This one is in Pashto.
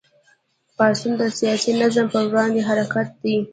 پاڅون د سیاسي نظام په وړاندې حرکت دی.